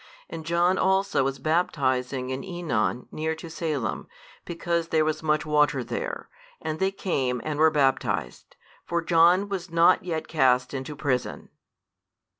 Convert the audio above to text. And John also was baptizing in Aenon near to Salim, because there was much water there; and they came, and were baptized. For John was not yet cast into prison.